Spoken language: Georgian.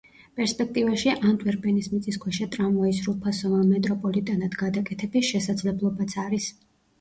პერსპექტივაში ანტვერპენის მიწისქვეშა ტრამვაის სრულფასოვან მეტროპოლიტენად გადაკეთების შესაძლებლობაც არის.